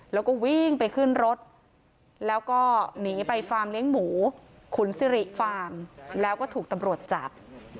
แล้วก็วิ่งไปขึ้นรถแล้วก็หนีไปฟาร์มเลี้ยงหมูขุนสิริฟาร์มแล้วก็ถูกตำรวจจับ